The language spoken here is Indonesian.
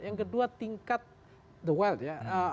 yang kedua tingkat the well ya